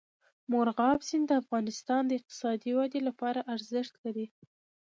مورغاب سیند د افغانستان د اقتصادي ودې لپاره ارزښت لري.